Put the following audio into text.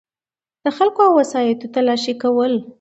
دخلګو او وسایطو تلاښي کول